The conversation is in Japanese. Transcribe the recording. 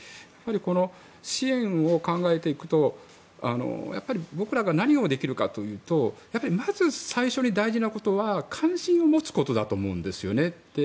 支援を考えていくと僕らが何をできるかというとやはり最初にまず大事なことは関心を持つことだと思うんですね。